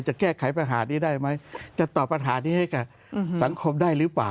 จะแก้ไขปัญหานี้ได้ไหมจะตอบปัญหานี้ให้กับสังคมได้หรือเปล่า